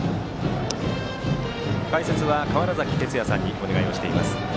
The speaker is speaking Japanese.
解説は川原崎哲也さんにお願いしています。